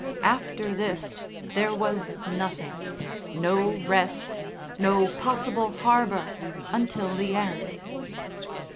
After this there was nothing, no rest, no possible harbour until the end.